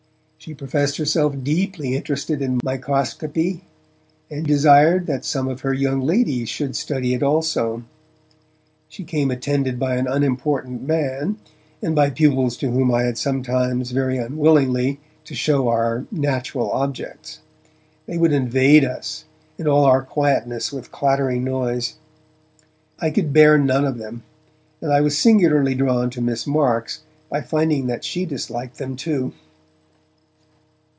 She professed herself deeply interested in microscopy, and desired that some of her young ladies should study it also. She came attended by an unimportant man, and by pupils to whom I had sometimes, very unwillingly, to show our 'natural objects'. They would invade us, and all our quietness with chattering noise; I could bear none of them, and I was singularly drawn to Miss Marks by finding that she disliked them too.